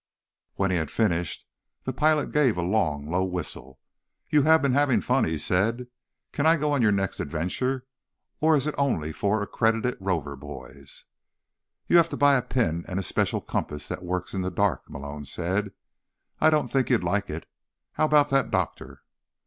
When he had finished, the pilot gave a long, low whistle. "You have been having fun," he said. "Can I go on your next adventure, or is it only for accredited Rover Boys?" "You have to buy a pin and a special compass that works in the dark," Malone said. "I don't think you'd like it. How about that doctor?"